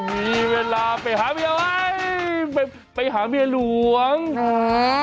ไม่มีเวลาไปหามีเถอะเว้ยไปหาเมียหลวงแฮ่